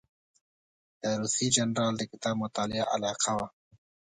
د روسي جنرال د کتاب مطالعه علاقه وه.